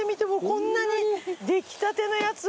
こんなに出来たてのやつを。